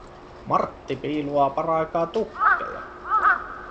Martti piiluaa paraikaa tukkeja.